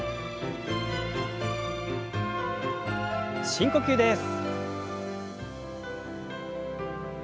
深呼吸です。